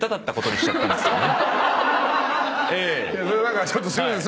それはちょっとすいません。